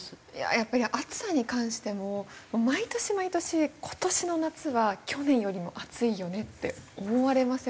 やっぱり暑さに関しても毎年毎年今年の夏は去年よりも暑いよねって思われません？